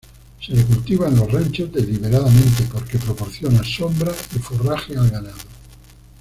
Se le cultiva en los ranchos deliberadamente porque proporciona sombra y forraje al ganado.